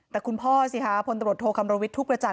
แต่คุณพ่อสิค่ะพลตบรดโทคำรวจทูปกระจ่าง